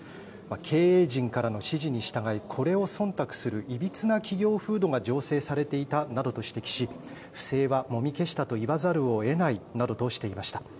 経営陣からの指示に従いこれをそんたくするいびつな企業風土が醸成されていたなどと指摘し不正はもみ消したと言わざるを得ないなどとしていました。